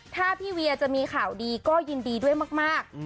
ถ้าพี่เวียจะมีข่าวดีก็ยินดีด้วยมาก